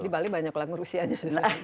di bali banyak langur rusia aja